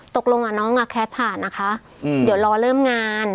ตกลงน้องอ่ะแคสผ่านนะคะเดี๋ยวรอเริ่มงาน